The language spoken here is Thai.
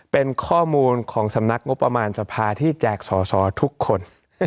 เป็นข้อมูลของสำนักงบประมาณสภาที่แจกสอสอทุกคน